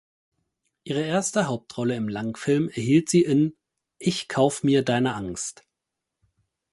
Ihre erste Hauptrolle im Langfilm erhielt sie in "Ich kauf mir deine Angst".